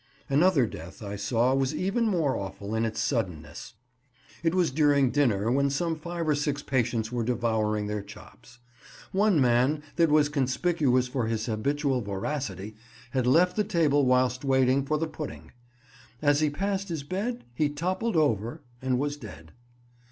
Another death I saw was even more awful in its suddenness. It was during dinner when some five or six patients were devouring their chops. One man, that was conspicuous for his habitual voracity, had left the table whilst waiting for the pudding. As he passed his bed he toppled over and was dead.